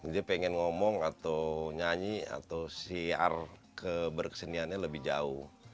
dia pengen ngomong atau nyanyi atau siar berkeseniannya lebih jauh